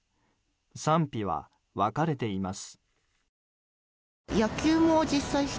賛否は分かれています。